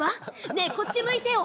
ねえこっち向いてよ。